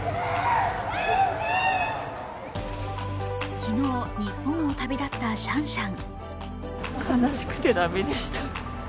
昨日、日本を旅立ったシャンシャン。